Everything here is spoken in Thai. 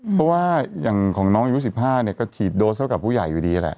เพราะว่าอย่างของน้องอายุ๑๕เนี่ยก็ฉีดโดสเท่ากับผู้ใหญ่อยู่ดีแหละ